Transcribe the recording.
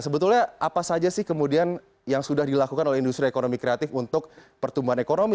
sebetulnya apa saja sih kemudian yang sudah dilakukan oleh industri ekonomi kreatif untuk pertumbuhan ekonomi